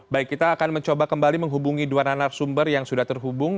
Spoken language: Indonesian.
baik kita akan mencoba kembali menghubungi dua narasumber yang sudah terhubung